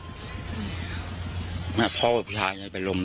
ค่ะพ่อผู้ชายก็ไปร่ม